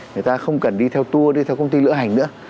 người ta không cần đi theo tour đi theo công ty lữ hành nữa